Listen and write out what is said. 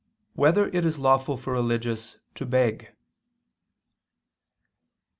5] Whether It Is Lawful for Religious to Beg?